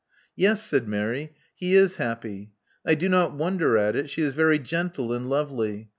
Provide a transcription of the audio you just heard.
Yes, '' said Mary. He is happy. I do not wonder at it : she is very gentle and lovely.